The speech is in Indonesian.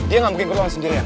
dia gak mungkin keluar sendiri